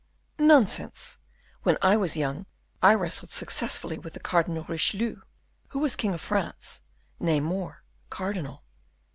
"Nonsense; when I was young I wrestled successfully with the Cardinal Richelieu, who was king of France, nay more cardinal."